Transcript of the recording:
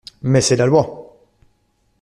Mais c'est la Loi!